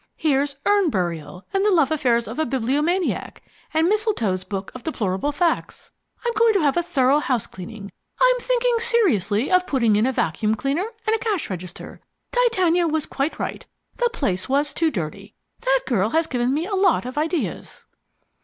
Here's Urn Burial, and The Love Affairs of a Bibliomaniac, and Mistletoe's Book of Deplorable Facts. I'm going to have a thorough house cleaning. I'm thinking seriously of putting in a vacuum cleaner and a cash register. Titania was quite right, the place was too dirty. That girl has given me a lot of ideas."